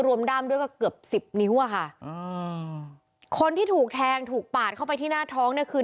ด้ามด้วยก็เกือบสิบนิ้วอ่ะค่ะอืมคนที่ถูกแทงถูกปาดเข้าไปที่หน้าท้องเนี่ยคือ